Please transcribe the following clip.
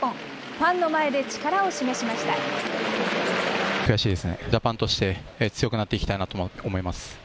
ファンの前で力を示しました。